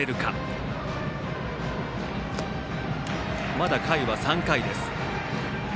まだ回は３回です。